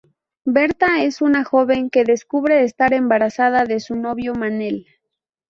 Berta es una joven que descubre estar embarazada de su novio Manel.